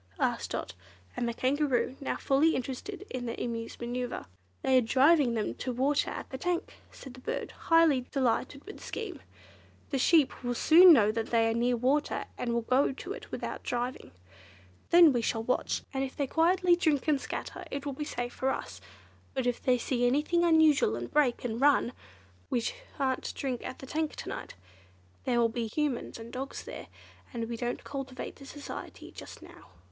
asked Dot and the Kangaroo, now fully interested in the Emu's manoeuvre. "They are driving them to water at the tank," said the bird, highly delighted with the scheme. "The sheep will soon know that they are near water, and will go to it without driving. Then we shall watch, and if they quietly drink and scatter, it will be safe for us, but if they see anything unusual and break, and run—well, we shan't drink at the tank to night. There will be Humans and dogs there, and we don't cultivate their society just now."